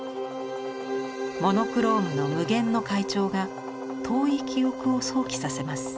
モノクロームの無限の階調が遠い記憶を想起させます。